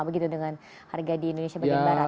begitu dengan harga di indonesia bagian barat